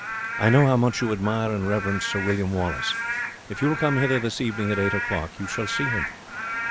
"I know how much you admire and reverence Sir William Wallace. If you will come hither this evening, at eight o'clock, you shall see him."